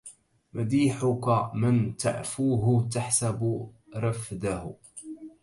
مديحك من تعفوه تحسب رفده